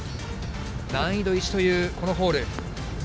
難易度１という、このホール。